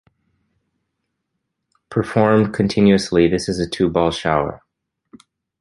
Performed continuously, this is a two-ball shower.